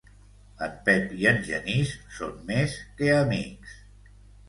En Pep i en Genís són més que amics.